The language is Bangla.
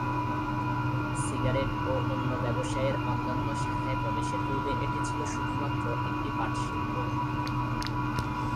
সিগারেট ও অন্য ব্যবসায়ের অন্যান্য শাখায় প্রবেশের পূর্বে এটি ছিল শুধুমাত্র একটি পাট শিল্প।